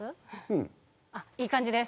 うんいい感じです